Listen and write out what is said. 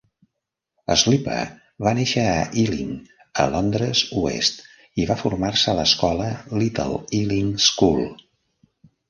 Slipper va néixer a Ealing, a Londres oest, i va formar-se a l'escola Little Ealing School.